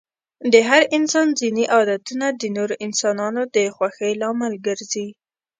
د هر انسان ځيني عادتونه د نورو انسانانو د خوښی لامل ګرځي.